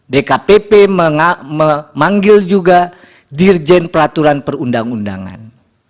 dkpp memanggil juga dirjen peraturan perundang undangan